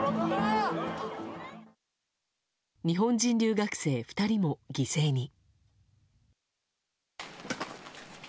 日本人留学生２人も犠牲に。